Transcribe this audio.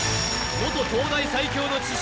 元東大最強の知識